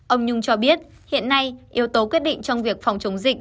ông nhung cho biết hiện nay yếu tố quyết định trong việc phòng chống dịch